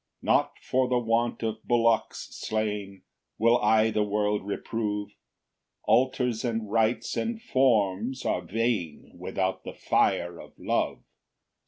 2 "Not for the want of bullocks slain "Will I the world reprove; "Altars and rites and forms are vain, "Without the fire of love.